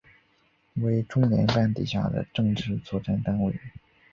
为中联办底下的政治作战单位。